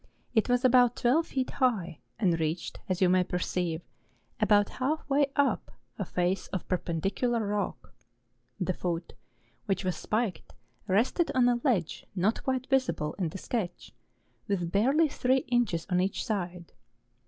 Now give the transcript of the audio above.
It was about twelve feet high, and reached, as you may perceive, about half way up a face of perpendicular rock. The foot, which was spiked, rested on a ledge not quite visible in the sketch, with barely three inches on eacli side.